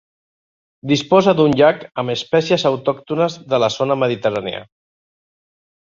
Disposa d'un llac amb espècies autòctones de la zona mediterrània.